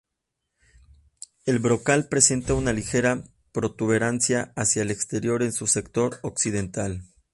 El brocal presenta una ligera protuberancia hacia el exterior en su sector occidental.